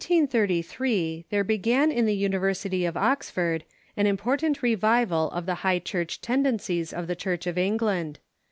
] In 1833 there began in the University of Oxford an impor tant revival of the High Church tendencies of the Church of ,^.^ England.